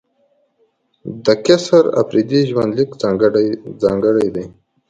د قیصر اپریدي ژوند لیک ځانګړی دی.